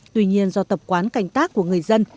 tuy nhiên do tập quán canh tác của người dân